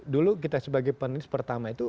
dulu kita sebagai penulis pertama itu